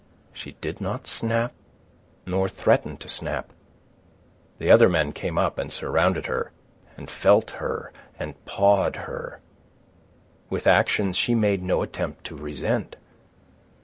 She did not snap, nor threaten to snap. The other men came up, and surrounded her, and felt her, and pawed her, which actions she made no attempt to resent.